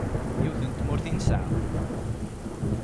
Yiwet n tmurt i nesɛa.